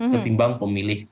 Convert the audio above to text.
ketimbang pemilih lain hatinya